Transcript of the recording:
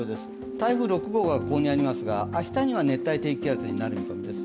台風６号がここにありますが、明日には熱帯低気圧になる予定です。